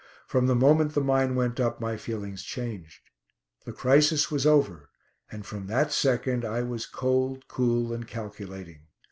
From the moment the mine went up my feelings changed. The crisis was over, and from that second I was cold, cool, and calculating.